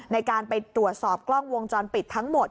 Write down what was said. ในการไปตรวจสอบกล้องวงจรปิดทั้งหมด